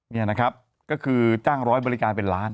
นี่นะครับก็คือจ้างร้อยบริการเป็นล้าน